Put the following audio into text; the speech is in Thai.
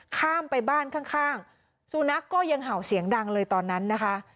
ข้ามไปบ้านข้างสูนักก็ยังเห่าเสียงดังเลยตอนนั้นนะคะ